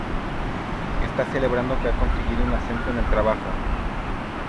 Está celebrando que ha conseguido un ascenso en el trabajo.